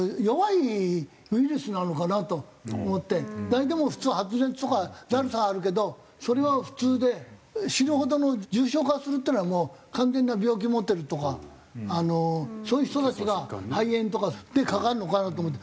誰でも普通発熱とかだるさはあるけどそれは普通で死ぬほどの重症化するっていうのはもう完全な病気持ってるとかそういう人たちが肺炎とかでかかるのかなと思って。